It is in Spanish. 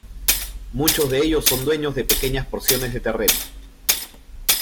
Muchos de ellos son dueños de pequeñas porciones de terreno.